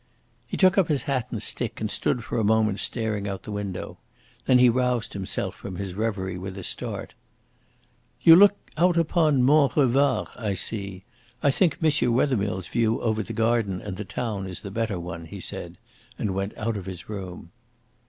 He took up his hat and stick, and stood for a moment staring out of the window. Then he roused himself from his reverie with a start. "You look out upon Mont Revard, I see. I think M. Wethermill's view over the garden and the town is the better one," he said, and went out of the room.